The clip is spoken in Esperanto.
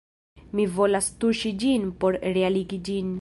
Mi volas tuŝi ĝin por realigi ĝin